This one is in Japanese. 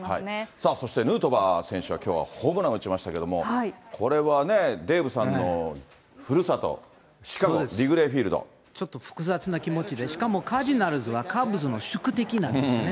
さあそして、ヌートバー選手はきょうはホームランを打ちましたけれども、これはね、デーブさんのふるさと、ちょっと複雑な気持ちで、しかもカージナルスはカブスの宿敵なんですよね。